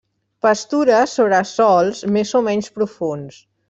Pastures sobre sòls més o menys profunds.